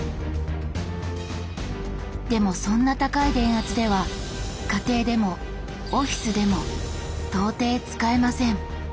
でもそんな高い電圧では家庭でもオフィスでも到底使えません。